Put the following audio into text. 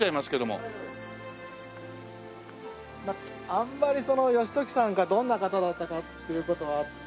あんまり義時さんがどんな方だったかっていう事は。